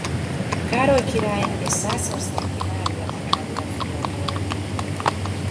Károly király és Szászországi Mária Amália fia volt.